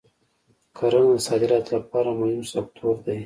کرنه د صادراتو لپاره مهم سکتور دی.